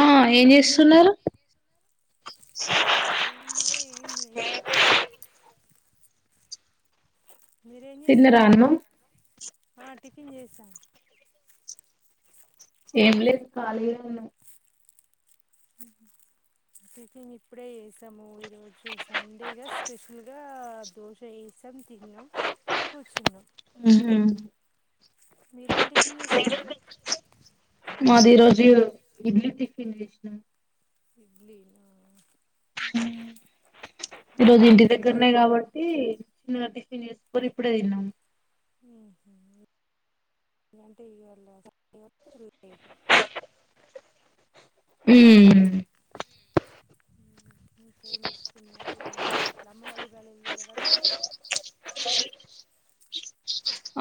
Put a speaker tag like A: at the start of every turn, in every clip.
A: ఆ ఏనేస్వస్తా
B: ఏమిరా ఏం లేవు [unintelligible] మీరేం
A: తిన్నరా
B: చేస్తున్నారు
A: అన్నం
B: హ టికన్ చేసా
A: ఎం లెదు ఖాళీగానీ వున్నాం
B: టిఫన్ ఇప్పుడే చేసాము ఈరోజు సండేగా స్పెషల్ గా దోశ వసాము సతం తీన కుచున్ననమ్
A: ఉహు మాది రోజు ఇడ్లీ తినేసినం విషణం
B: ఇడ్లీ
A: ఈ రోజు ఇంటి
B: ఇంకేం
A: దగ్గరనే
B: చేస్తాం
A: కాబట్టి చిన్నగా టి విప్పురి ఇప్పుడ తన్నాం
B: మ్మ్హ్మ్ కొంచమ లేట్
A: హ్మ్
B: మ్మ్. ఇంకేం చేస్తున్నారు అమ్మ వాళ్ళు ఇట్లా అమ్మ వాళ్ళు ఇవాళ వెళ్ళేద వర్క్ కి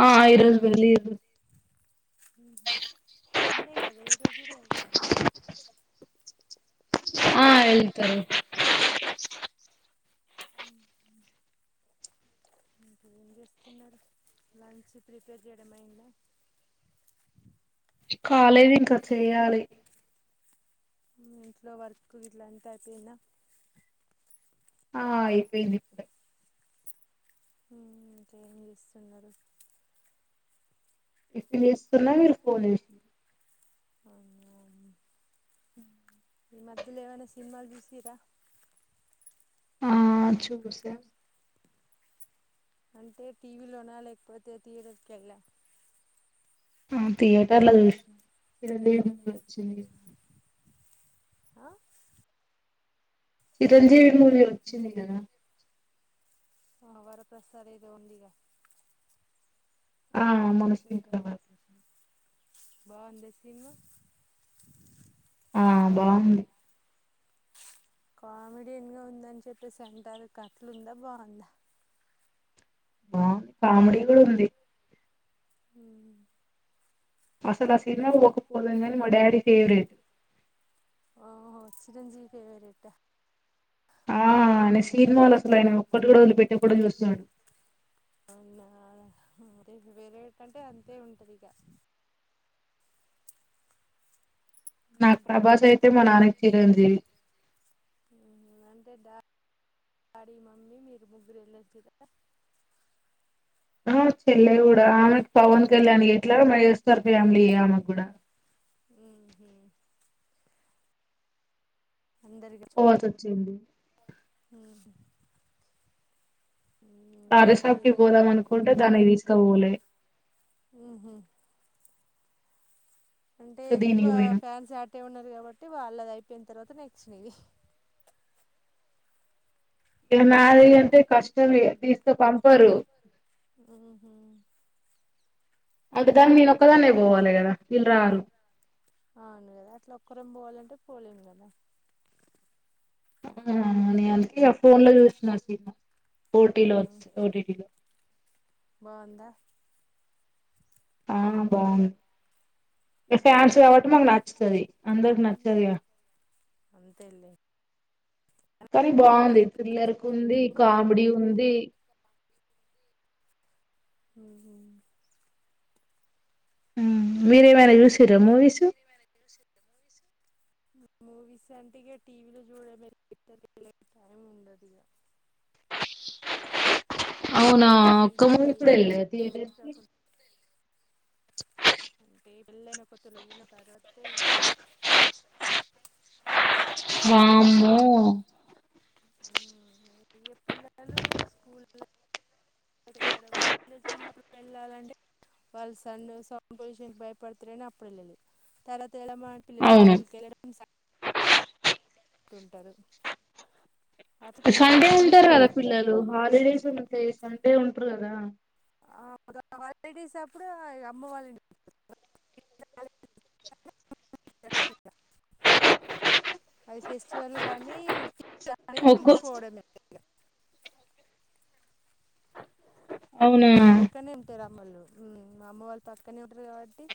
A: ఆ ఇరోజు వెళ్ళిరు
B: సండే కదా ఈ రోజూ కూడా వెళ్తారా
A: ఆ వెళ్తారు
B: ఏం చేస్తున్నారు లంచ్ ప్రిపేర్ చేయడం అయింద
A: కాలేదు ఇంకా చెయ్యాలి
B: ఇంట్లో వర్క్ ఇట్లాంటి అయిపోయినా
A: ఆ అయిపోయింది ఇప్పుడు
B: హ్మ్ ఇంకేం చేస్తున్నారు
A: ఇప్పు చేస్తున్నా మీరు ఫోన్
B: అవునా ఈ మధ్యలో ఏమైనా సినిమాలు చూసిరా
A: ఆ చూసా
B: అంటే టీవీలోనా లేకపోతే థియేటర్కి వెళ్ళా
A: ఆ థియ [unintelligible]
B: ఆ
A: చిరంజీవి మూవీ వచ్చింది కదా
B: ఆ వరప్రసాదు ఏదో ఉందిగా
A: ఆ మనిషి [inaudible]
B: బావుంది తిను
A: ఆ బావుంది
B: కామెడియన్ గా ఉందని చెప్పేసి అంటారు కథలుందా బావుందా
A: ఆ కామెడీ కూడుంది
B: ఊ
A: అసలు ఆ సినిమా కు పోకపోదుం గనీ మా డాడీ ఫేవరేట్
B: ఓహో చిరంజీవి ఫేవరెట్ ఆ
A: ఆ అయన సినిమాలు అసలు ఆయన ఒక్కటి కూడా వదిలిపెట్టే కూడా చూస్తడు
B: అవునా అదే ఫెవరేట్ అంటే అంతే ఉంటది ఇగ
A: నాకు ప్రభాస్ అయితే మ నానికి చిరంజీవి
B: తే డాడీ మమ్మీ మీరు ముగ్గురు ఎళ్ళొచ్చిర్రా
A: ఆ చెల్లె కూడా ఆమెకి పవన్ కళ్యాణ ఎట్లాగు మెగాస్టార్ ఫ్యామిలీ ఆమెకు కూడా
B: ఉ హు
A: పోవాల్సచ్చింది
B: ఊహు
A: రాజాసాబ్ కిి
B: ఇంకేం
A: పోదాం అనుకుంటే దానికి తీసుక పోలే
B: ఊహు అంటే ఎక్కువ
A: దీనికి పోయినా
B: ఫ్యాన్స్ అటే ఉన్నారు కాబట్టి వాల్లాది అయిపోయిన తర్వాత నెక్స్ట్ నీవి
A: ఇగ నాది
B: హలో
A: అంటే కష్టం తీసుక పంపరు
B: ఊహు
A: అంటే దాన్ని నేనొక్కదాన్నే పోవాలే కదా వీళ్ళు రారు
B: అవును కదా అట్లా ఒక్కరం పోవాలంటే పోలేము కదా
A: ఆ నియంత ఇగ ఫోన్ లో చూసిన సినిమా ఓటీలో ఓటీటీ లో
B: బావుందా
A: ఆ బాగు ఇగ ఫ్యాన్స్ కాబట్టి మకు నచ్చుతది అందరికి నచ్చదిగా
B: అంతేలే
A: కానీ బాగుంది త్రిల్లరకు ఉంది కామెడీ ఉంది
B: ఉ హు
A: ఉం మీర ఏమైనా చూసిర మూవీస్
B: మూవీస్ అంటే ఇగ టీవీలో చూడ ఇ టైం ఉండదిగా
A: అవునా ఒక్క సారి
B: టీవీలలో
A: కుడా
B: ఏమి
A: ఎల్లలేదా థియేటర్ కి
B: అంటే పెళ్ళైన కొత్తలో వెల్లిన తర్వతే ఎళ్ళళె
A: వామ్మో
B: ఇక పిల్లలు స్కూల్ ళ్ళడం పిల్లలు చిన్నప్పుడు వెళ్ళాలంటే వాళ్ళు సండ్ సౌండ్ పొల్యూషన్ కి భయపడుతారని అప్పుడు వెళ్ళలే తర్వాత సేలమాన్ పిల్లలు
A: అవును
B: స్కూల్ కెల్లాడం ఇన్ స్సా టుంటరు
A: సండే ఉంటారు కదా పిల్లలు హాలిడేస్ ఉన్న సె సండే ఉంటారు కదా
B: ఆ హాలిడేస్ అప్పుడు అమ్మ వాల [inaudible] డే అది ఫెస్టివల్ గాని ఉ
A: ఒక్క
B: [inaudible] అకు
A: అవునా
B: మా కుక్కనే ఉంటే రా అమ్మలు మా అమ్మ వాళ్ళు పక్కనే ఉంటారు కాబట్టి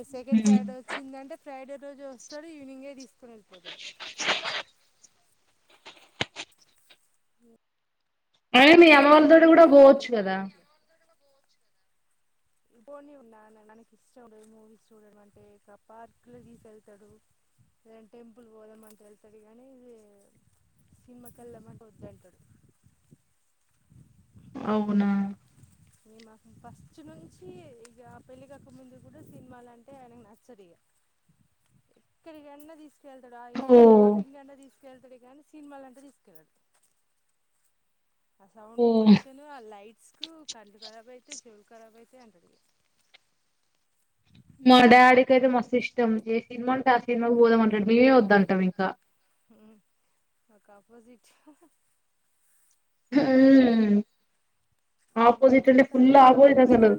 B: ఇ సెకండ్ సటార్డే వచ్చింది అంటే ఫ్రైడే జోస్తడ్ ఈవినింగే తీస్త [inaudible] వెల్లిపోతాడు మ్హ్
A: ఆ మీ అమ్మ వాళ్ళతోటి కూడా పోవచ్చు కదా
B: కుదరట్లేదు పోనీ ఉన్నా నానకి ఇష్టం ఉండదు మూవీస్ చూడడం అంటే ఇ పార్క్ లో తీసుెళ్తాడు లేద టెంపుల్ పోదామ అంటే వెళ్తాడు కానీ ఇది సినిమాకి వెళ్దామంటే వద్దంటాడు
A: అవునా
B: మే మా ఫస్ట్ నుంచి ఇక పెళ్ళికక ముందు కూడా సినిమాలు అంటే ఆయనకు నచ్చదు ఇగ ఎక్కడికన్నా తీసు వేల్తాడు ఆయియ
A: ఓ
B: షాపింగ్ అన్న తిస్ తీసుకెళ్తాడు కానీ సినిమాలంటే తీసుకెళ్ళడు ఆ
A: ఓ
B: సౌండ్ పొల్యూషన్ ఆ లైట్ కు కండ్లు ఖరాబ్ అయితయి చెవులు ఖరాబ్ అయితయి అంటడిగా
A: మా డాడీకి అయితే మస్తిస్టం ఏ సినిమా అంటే ఆ సినిమాకి పోదామ అంటాడు మేమే వద్ద అంటాం ఇంకా
B: మాక్ అపోజిట్
A: మ్హ్
B: మేము
A: ఆపోసిట్ అ
B: వెళ్తా
A: ఫుల్
B: అంటే
A: ఆపోజట్ అసలు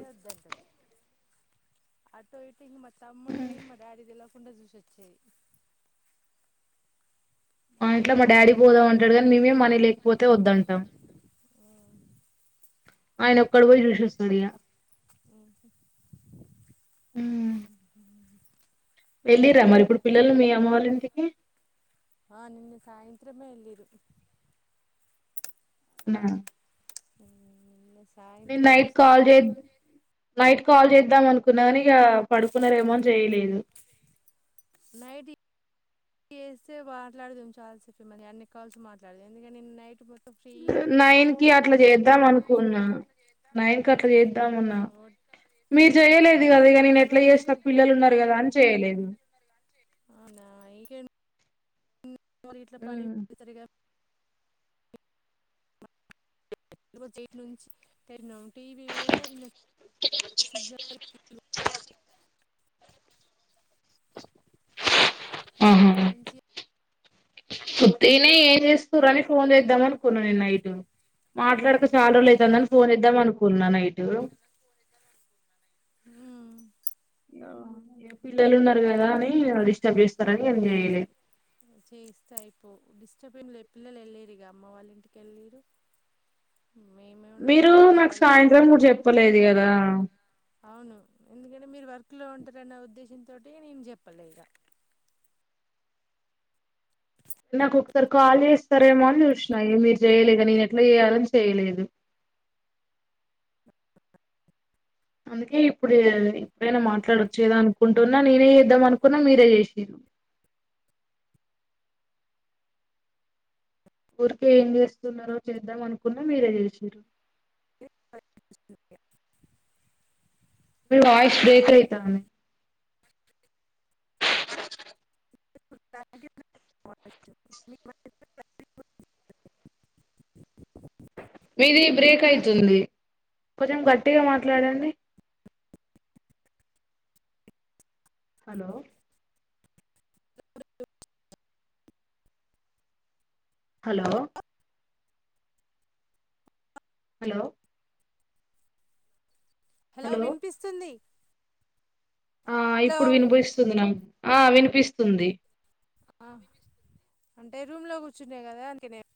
B: అటు ఇటు ఇం మా తమ్మున్ని ఇ మా డాడిదేలావకుండ కుండ చూసోచ్చి
A: ఆ అట్లా మా డాడీ పోదాం అంటాడు కానీ మేమే మనీ లేకపోతే వద్దంటాం ఆయన ఒక్కడే పోయి చూసోస్తడు ఇగ.. హ్మ్ వెళ్ళిరా మరి ఇప్పుడు పిల్లలు మీ అమ్మ వాళ్ళ ఇంటికి
B: ఆ నిన్న సాయంత్రమే వేల్లిరు
A: నా
B: నిన్న
A: నే
B: సాయంత్రం
A: నైట్
B: వచ్చి
A: కాల్ జేత్ నైట్ కాల్ చేద్దాం అనుకున్నా కాని ఇక పడుకున్నారేమోని చేయలేదు
B: నైట్ చేస్తే మాట్లాడదం చాలాసేపు ఇ మంది అన్ని కాల్సి మాట్లాడదు ఎందుకంటని నేను నైట్ మొత్త
A: నైన్ కి అట్లా చేద్దాం అనుకున్నా నైన్ కి అట్లా చేద్దాం అన్నా
B: ఉమ్
A: మీరు చేయలేదు కదా ఇక
B: టెన్
A: నేను ఎట్లా
B: వరకు
A: చేసిన పిల్లలు ఉన్నారు కదా అని చేయలేదు
B: అవునా ఈక గట్ల పనికి పోతరుగా [inaudible] జైట్ నుంచి టెర్న్ అవుట్ టీవీ కూడా నిన్న సిగ్నల్ [inaudible] మంచిగ
A: ఉట్టిగనే ఏం చేస్తుర్రని ఫోన్ చేద్దామనుకున్న నేను నైటు. మాట్లాడక
B: ఉమ్
A: చాల్రోజులైతాందని ఫ్ ఫోన్ చేద్దాం అనుకున్న నైటు
B: ఉమ్
A: ఇగా ఇగ పిల్లలు ఉన్నరు కదా అని, డిస్టర్బ్ చేస్తరని ఏం చేయలే.
B: చేస్తే అయిపోవ్ డిస్టర్బ్ ఏమిలే, పిల్లలెల్లిరుగా అమ్మ వాళ్ళ ఇంటికెళ్ళిర్రు.
A: మీరూ నాకు సాయంత్రం గుడ చెప్పలేదు కదా.
B: అవును ఎందుకంటే మీరు వర్క్ లో ఉంటరన్న ఉద్దేశంతోటి నేన్ చెప్పలే ఇగ.
A: నాకు ఒకసారి కాల్ చేస్తారేమో అని చూసినా, మీరు చేయలే ఇగ నేను ఎట్ల చేయాలని చేయలేదు. అందుకే ఇప్పుడు ఇప్పుడైనా మాట్లాడోచ్చు గదా అనుకుంటున్నా నేనే చేద్దాం అనుకున్నా మీరే చేసిర్రు. ఊరికే ఏం చేస్తున్నరో చేద్దామనుకున్న మీరే చేసిర్రు. మీరి వాయిష్ బ్రేక్ అయితాంది.
B: [inaudible]
A: మీది బ్రేక్ అయితుంది, కొంచెం గట్టిగ మాట్లాడండి. హలో హలో హలో
B: హలో వినిపిస్తుంది
A: ఆ
B: హలో
A: ఇప్పుడు వినిపిస్తుంది నాకు ఆ వినిపిస్తుంది
B: ఆ అంటే రూమ్ లో కూర్చున్నే కదా అంద్కే లేప్